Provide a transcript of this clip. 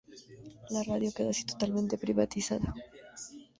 La radio quedó así totalmente privatizada.